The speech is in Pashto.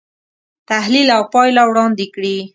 تحلیل او پایله وړاندې کړي.